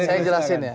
saya jelasin ya